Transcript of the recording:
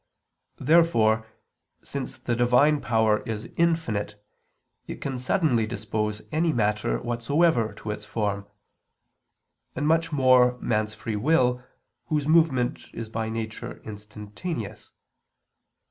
Therefore, since the Divine power is infinite, it can suddenly dispose any matter whatsoever to its form; and much more man's free will, whose movement is by nature instantaneous.